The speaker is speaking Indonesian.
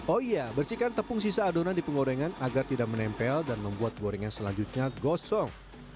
oh iya bersihkan tepung sisa adonan di penggorengan agar tidak menempel dan membuat gorengan selanjutnya gosong